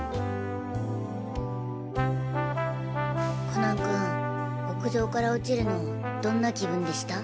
コナン君屋上から落ちるのどんな気分でした？